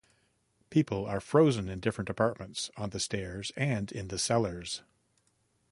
People are frozen in different apartments, on the stairs, and in the cellars.